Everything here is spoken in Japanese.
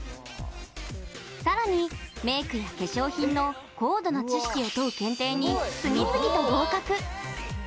さらに、メークや化粧品の高度な知識を問う検定に次々と合格！